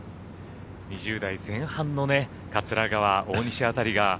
２０代前半の桂川、大西辺りが。